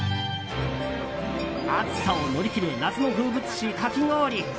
暑さを乗り切る夏の風物詩かき氷。